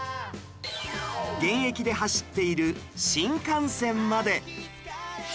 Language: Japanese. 現役で走っている新幹線まで